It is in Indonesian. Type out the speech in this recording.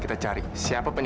ketika situnya berhentai